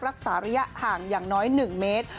รักษาระยะห่างอย่างน้อย๑เมตร